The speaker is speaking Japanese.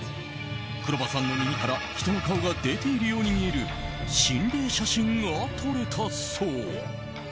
黒羽さんの耳から人の顔が出ているように見える心霊写真が撮れたそう。